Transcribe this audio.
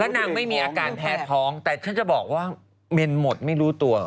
นางไม่มีอาการแพ้ท้องแต่ฉันจะบอกว่าเมนหมดไม่รู้ตัว